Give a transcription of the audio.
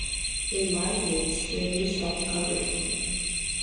In Liegnitz, the news stopped covering him.